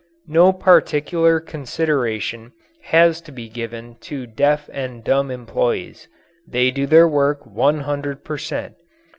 No particular consideration has to be given to deaf and dumb employees. They do their work one hundred per cent.